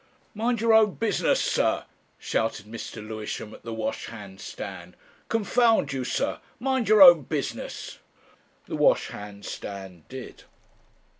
"Mind your own business, sir!" shouted Mr. Lewisham at the wash hand stand. "Confound you, sir, mind your own business!" The wash hand stand did.